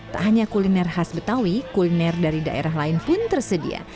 tak hanya kuliner khas betawi kuliner dari daerah lain pun tersedia